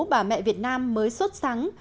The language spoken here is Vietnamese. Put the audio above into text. bà mẹ việt nam mới xuất sẵn